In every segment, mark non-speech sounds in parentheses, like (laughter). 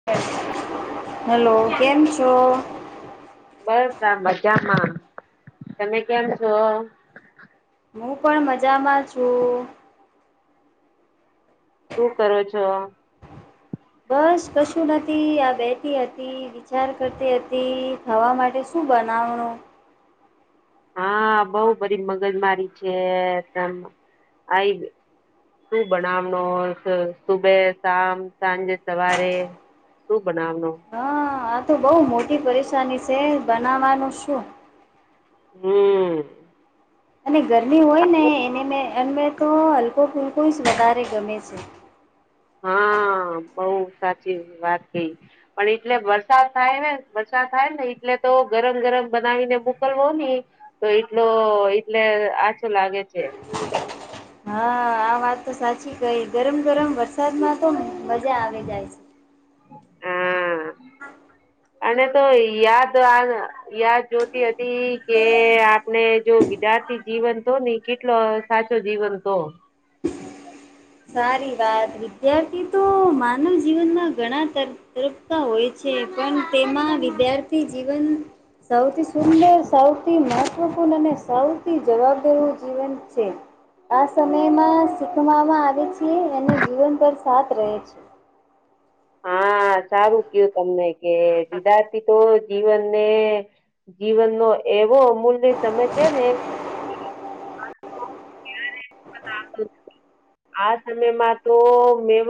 (unintelligible) Hello કેમ છો બસ આ મજામાં તમે કેમ છો હું પણ મજામાં છું શું કરો છો બસ કશું નથી આ બેઠ હતી વિચાર કરતી હતી ખવા માટે શું બનાવણું હા બઉ બધ મગજમારી છે ત આવી શું બનાવનો હો સુબે શામ સાંજે સવારે શુ બનાવનું હા આ તો બહ મોટી પરેશાની છે બનાવાનું શું હમ્મ અને ગરમી હોય ને એને મે એ તો હલકો ફૂલકો જ વધારે ગમે છે હા બઉ સાચી વાત કઈ પણ એટલે વરસાદ થાય ને વરસાદ થાય ને એટલે તો ગરમ ગરમ બનાવીને મોકલવો નહી તો એટલો એટલે આચું લાગે છે હા આ વાત તો સાચી કઈ ગરમ ગરમ વરસાદમાં તો મજા આવી જાય છે હા (inaudible) અને તો યાદ આવી યાદ જોતી હતી કે આપણે જો વિદ્યાર્થી જીવન તો ની કેટલો સાચો જીવન તો સારી વાત વિદ્યાર્થી તો માનવ જીવનમાં ઘણા તર (unintelligible) હોય છે પણ તેમાં વિદ્યાર્થી જીવન સૌથી સુંદર સૌથી મહત્ત્વપૂર્ણ અને સૌથ જવાબદારી નુ જીવન છે આ સમયમાં શીખવામાં આવે છે અને જીવન પર સાથ રહે છે હા સારું ક્યુ તમને કે વિદાર્થી તો જીવનને જીવનનો એવો અમૂલ્ય સમય છે ને અને (inaudible) આ સમયમાં તો મે મેવ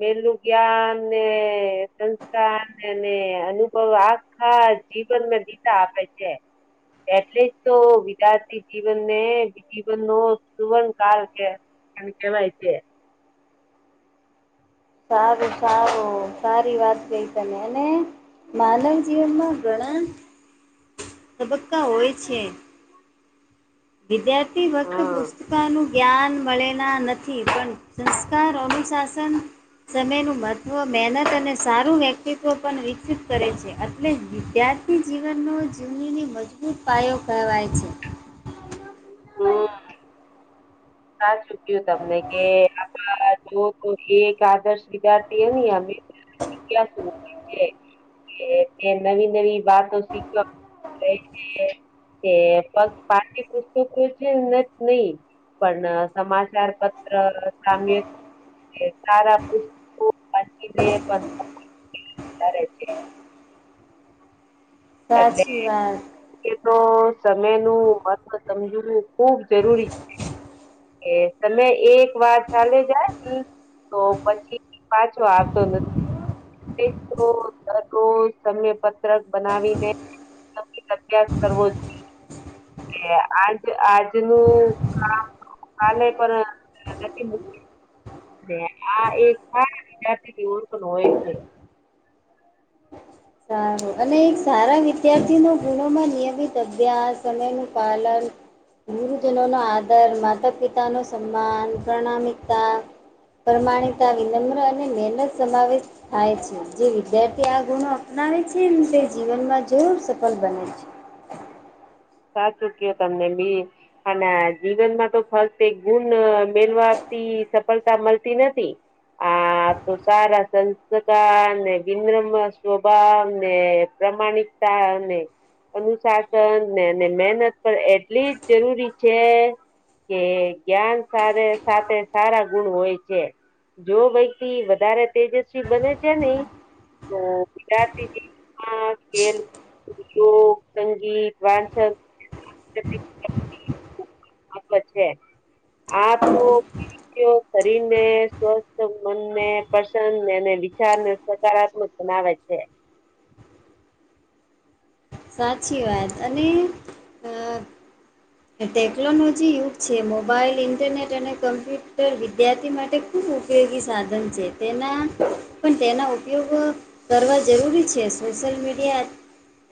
મેલું જ્ઞાન ને ને અનુભવ આખા જીવનમાં ગીતા આપે છે એટલે જ તો વિદ્યાર્થી જીવનને જીવન ન સુવર્ણ કાલ કે એને કહેવાય છે સાારું સાઉું સારી વાત કઈ તમે અને એને માનવ જીવનમાં ઘણા તબક્કા હોય છે વિદ્યાર્થી વક્ત હમ પુસ્તકાનું જ્ઞાન મળેના નથી પણ સંસ્કાર અનુશાસન સમયનું મહત્ત્વ મહેનત અને સારું વ્યક્તિત્વ પણ વિકસિત કરે છે એટલે જ વિદ્યાર્થી આપતિ જીવનનો જીવનીની મજબૂત પાયો કહેવાય છે હમ ક ચુક્યું તમને કે આપ જો તો એ એક આદર્શ વિદ્યાર્થી એ (inaudible) એ નવી નવી વાતો શીખવા (inaudible) તે પાઠ્ય પુસ્તકો છે (inaudible) નહી પણ સમાચાર પત્ર સામ્ય એ સારા પુસ્તકો વાંચીને પણ કરે છે સાચી વાત એ તો સમય નું અથવા સમજવું ખુબ જરૂરી છે એ તમે એક વાર ચાલે જાય તો પછી પાછો આવતો નથી એક રોજ દરરોજ સમય પત્રક બનાવી (inaudible) અભ્યાસ કરવો જ કે આજ આજનું કામ કાલે પર નથી મુ આ એક સારા સારા વિદ્યાર્થીની ઓડખાણ હોય છે સારું અને એક સારા વિદ્યાર્થી ન ગુણમાં નિયમિત અભ્યાસ અને નું પાલન ગુરુજનોનો આદર માતા પિતાનો સન્માન પ્રણામિકતા પ્રમાણતા વિનમ્ર અને મહેનત સમાવેશ થાય છે જે વિદ્યાર્થી આ ગુણો અપનાવે છે ન તે જીવનમાં જરુર સફળ બને છે સાચું કયો તમને બે અને જીવનમાં તો ફક્ત એક ગુણ મેલવાતી સફળતા મળતી નથી આ તો સારા સંસ્કાર ને વિન્રમ સ્વભાવ ને પ્રમાણિકતા અને અનુશાસન ને અને મહેનત પણ એટલી જ જરૂરી છે કે જ્ઞાન સ સાથે સારા ગુણ હોય છે જો વ્યક્તિ વધારે તેજસ્વી બને છે ને તો ગુજરાતી જગતમાં ખેલ લોક સંગીત (inaudible) આત (inaudible) શરીર ને સ્વસ્થ મનને પ્રસન્નને વિચાર ને સકારાત્મક બનાવે છેે સાચી વાત અને અ ટેકનોલોજી યુગ છે મોબાઈલ ઇન્ટરનેટ અને કમ્પ્યુટર વિદ્યાર્થી માટે ખૂબ ઉપયોગી સાધન છે તેના પણ તેના ઉપયોગ કરવા જરૂરી છે સોશલ મીડિયા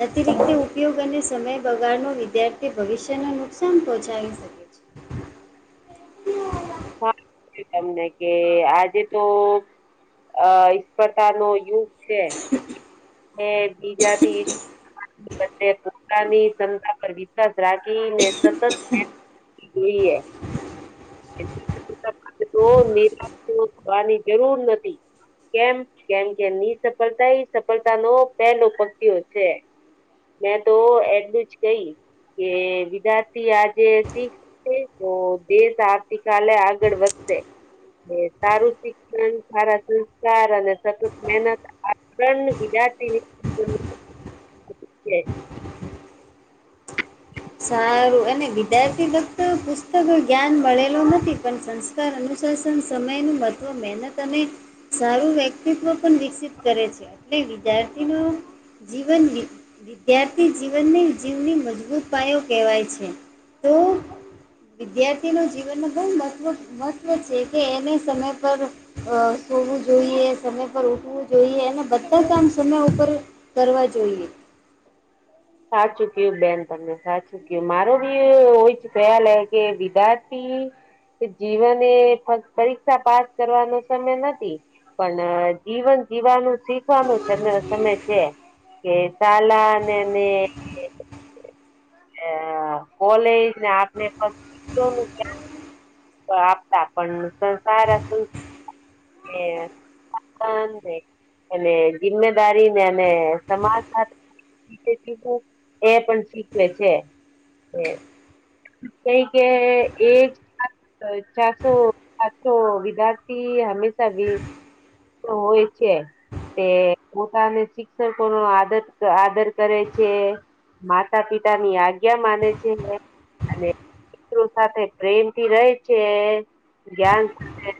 અતિરીતે ઉપયોગ અને સમય બગાડનો વિદ્યાર્થી ભવિષ્ય ન નુકસાન પહોંચાડી શકે. છે હા તમને કે આજે તો અ ઇસ પ્રકાર નો યુથ છે. એ બીજાથી બ પોતાની ક્ષમતા પર વિશ્વાસ રાખીને સતત જોઈએ. (unintelligible) (inaudible) નિરાશ (inaudible) થવાની જરૂર નથી. કેમ કેમ કે નિસફળતા એ સફળતાનો પહેલો પતયો છે. મેં તો એટલું જ કહીલી કે વિદ્યાર્થી આજે સિક્ તે તો દેશ આવતીકાલે આગળ વધશે. એ સારું શિક્ષણ, સારા સંસ્કાર અને સતત મહેનત આ ત્રણ વિધાર્થીની (unintelligible) (inaudible) સારું અને વિદ્યાર્થી ફક્ત પુસ્તકો જ્ઞાન ભળેલો નથી પણ સંસ અનુશાસન સમયનું મહત્વ મહેનત અને સારું વ્યક્ ક્તિત્વ પણ વિકસિત કરે છે. એટલે વિદ્યાર્થીનું જીવન વિધ વિદ્યાર્થી જીવનને જીવની મજબૂત પાયો કેવાય છે તો વિદ્યાર્થીનું જીવનનું બહુ મહત્વ મહત્ત્વ છે કે એને સમય પર અ સૂવું જોઈએ, સમય પર ઉઠવું જોઈએ અને બધા જ કામ સમય ઉપર કરવા જોઈએ. સાચું ક્યું બેન તમને સાચું મારો બી એવો જ ખયાલ હે કે વિદ્યાર્થી કે જીવન એ ફક્ પરીક્ષા પાસ કરવાનો સમય નથી. પણ જીવન જીવાનું શીખવાનું સમ સમય છે. કે સાલા ને અને અ કોલેજ ને આપને ક્યાં (inaudible) તો આપ (unintelligible) પણ સંસાર હતું. (unintelligible) અને જિમ્મેદારી ને અને સમાજ સાથે (unintelligible) શીખવું એ પણ શીખવે છે. કઈ કે એ જ (unintelligible) ચારસો પાચસો વિદ્યાર્થી હમેશા તો હોય છે. તે પોતાને શિક્ષકોનો આદર આદર કરે છે. માતા પિતાની આજ્ઞા માને છે. અને મિત્રો સાથે પ્રેમથી રહે છે જ્ઞાન સાથે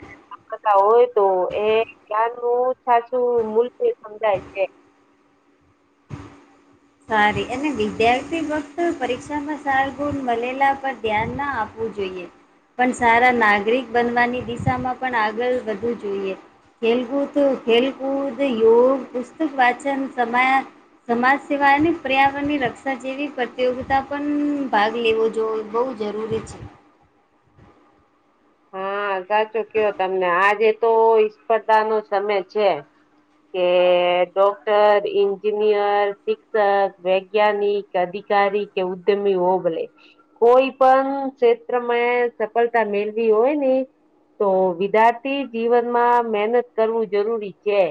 કરતા હોય તો એ ગ્યાનનું સાચું મૂલ્ય સમજાય છે. સારી અને વિદ્યાર્થી ફક્ત પરીક્ષામાં સાર ગુણ મલેલા પર ધ્યાન ના આપવું જોઈએ. પણ સારા નાગરિક બનવાની દિશામાં પણ આગળ વધવુ જોઈએ. ખેલકૂદ ખેલકૂદ, યોગ, પુસ્તક વાચન સમાયા સમાજ સિવાય અને પર્યાવરણની રક્ષા જેવી પ્રતિયોગિતા પણ ભાગ લેવો જો જોવો બહુ જરૂરી છે. હા સાચું કયો તમને આજે તો સ્પર્ધાનો સમય છે. કે ડોક્ટર, એન્જિનિયર, શિક્ષક, વૈજ્ઞાનિક અધિકારી કે ઉદ્યમી (unintelligible) કોઈ પણ ક્ષેત્રમાં સફળતા મેળવી હોય ને તો વિદ્યાર્થી જીવનમાં મહેનત કરવું જરૂરી છે.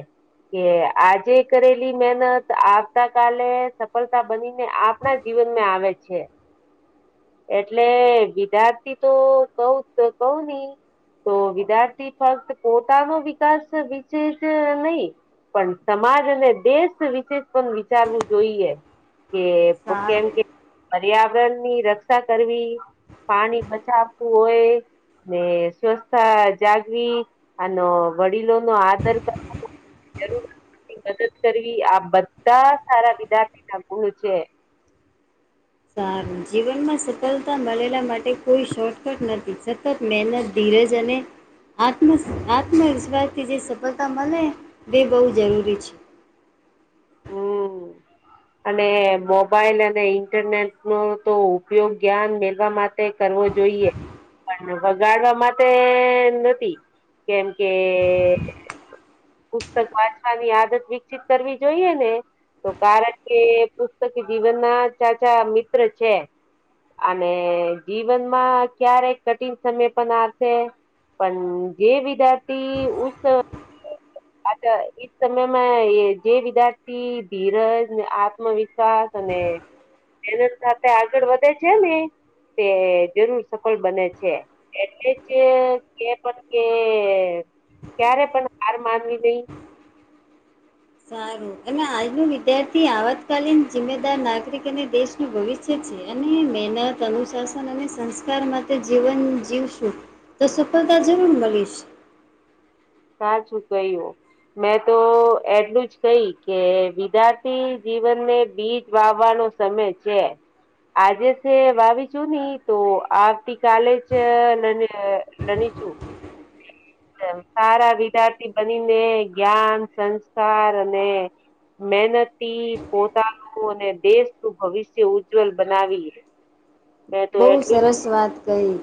કે આજે કરેલી મહેનત આવતા કાલે સફળતા બનીને આપણા જીવનમાં આવે છે. એટલે વિધ્યાર્થી તો કવ તો કહુંને તો વિદ્યાર્થી ફક્ત પોતાનો વિકાસ વિશે કે નહી પણ સમાજ અને દેશ વિશે પણ વિચારવું જોઈએ કે ઓ કેમ સારું કે પર્યાવરણ ની રક્ષા કરવી પાણી બચાવતું હોય. ને સ્વચ્છતા જાગવી અનેનો વડીલો નો આદર કર જરૂર મદદ કરવી આ બધા સારા વિદ્યાર્થી ના ગુણ છે. સારું જીવનમાં સફળતા મળેલા માટે કોઈ શોર્ટકટ નથી સતત મહેનત ધીરેજ અને આત્મ આત્મવિશ્વાસથી જે સફળતા મળે તે બહુ જરૂરી છે હમ અને મોબાઈલ અને ઇન્ટરનેટ નો તો ઉપયોગ જ્ઞાન મેળવા માટે તે કરવો જોઈએ પણ વગાડવા માટે નથી કેમ કે પુસ્તક વાંચવાની આદત વિકસિત કરવી જોઈએ ને તો કારણ કે પુસ્તક જીવન ના ચાચા મિત્ર છે. અને જીવનમાં ક્યારે કઠિન સમય પણ આવશે પણ જે વિદ્યાર્થી ઉસવ અચ્છા એ સમય મે એ જે વિદ્યાર્થી ધીરજને આત્મવિશ્વાસ અને બેનલ સાથે આગળ વધે છે ને તે જરૂર સફળ બને છે. એટલે જ કે પણ કે ક્યારે પણ હાર મા નવી દઈ સારું અને આજનું વિદ્યાર્થી આવતકાલીન જિમ્મેદાર નાગરિક અને દેશનું ભવિષ્ય છે અને મહેનત અનુશાસન અને સંસ્કાર માટે જીવન જીવશું તો સફળતા જરૂર મળીશ સાચું કઈઓ. મેં તો એટલું જ કહી કે વિદ્યાર્થી જીવન ને બીજ વાવવાનો સમય છે. આજે છે વાવી છું ની તો આવતી કાલે જને નની છું એમ સારા વિદ્યાર્થી બનીને જ્ઞાન સંસ્કાર અને મહેનતી પોતાનું અને દેશનું ભવિષ્ય ઉજ્જવલ બનાવી બહુ સરસ વાત કહી.